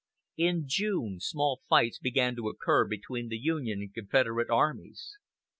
In June small fights began to occur between the Union and Confederate armies.